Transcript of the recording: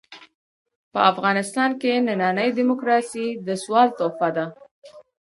په افغانستان کې ننۍ ډيموکراسي د سوال تحفه ده.